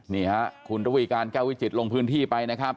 นี่ฮะคุณระวีการแก้ววิจิตรลงพื้นที่ไปนะครับ